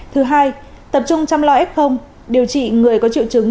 thứ hai tập trung chăm lo f điều trị người có triệu chứng